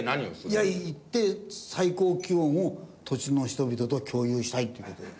いや行って最高気温を土地の人々と共有したいって事よ。